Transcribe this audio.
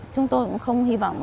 chúng tôi cũng không hy vọng